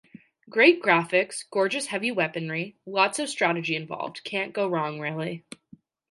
Great graphics, gorgeous heavy weaponry, lots of strategy involved - can't go wrong really.